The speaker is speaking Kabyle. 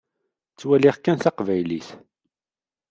Ttwaliɣ kan taqbaylit.